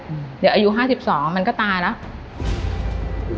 เดี๋ยวอายุ๕๒มันก็ตายแล้ว